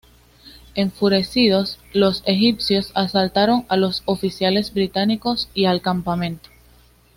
Enfurecidos, los egipcios asaltaron a los oficiales británicos y al campamento.